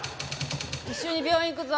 一緒に病院行くぞ。